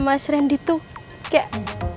masih berasa gitu di kepala kiki